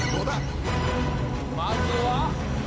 まずは。